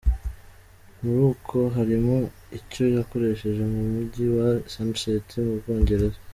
Muri ibyo, harimo icyo yakoresheje mu mujyi wa Sunset mu Bwongereza.